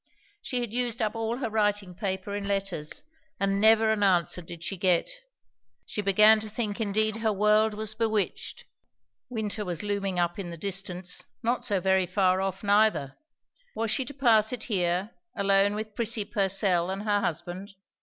She had used up all her writing paper in letters; and never an answer did she get. She began to think indeed her world was bewitched. Winter was looming up in the distance, not so very far off neither; was she to pass it here, alone with Prissy Purcell and her husband?